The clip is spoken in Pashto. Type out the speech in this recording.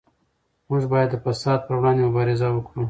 موږ باید د فساد پر وړاندې مبارزه وکړو.